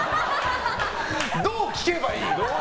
どう聞けばいい？